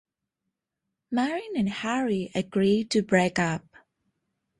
Marin and Harry agree to break up.